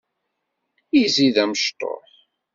Izzi d amecṭuḥ.